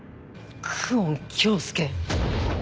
久遠京介。